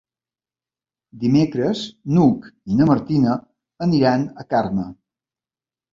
Dimecres n'Hug i na Martina aniran a Carme.